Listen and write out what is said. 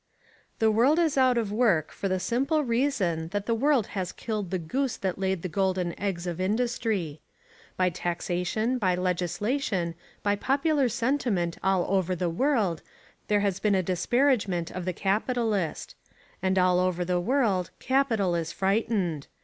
The world is out of work for the simple reason that the world has killed the goose that laid the golden eggs of industry. By taxation, by legislation, by popular sentiment all over the world, there has been a disparagement of the capitalist. And all over the world capital is frightened.